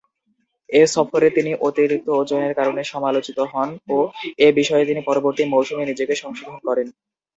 এ সফরে তিনি অতিরিক্ত ওজনের কারণে সমালোচিত হন ও এ বিষয়ে তিনি পরবর্তী মৌসুমে নিজেকে সংশোধন করেন।